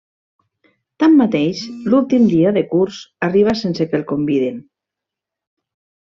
Tanmateix, l'últim dia de curs arriba sense que el convidin.